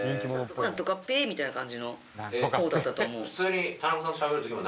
みたいな感じの方だったと思う。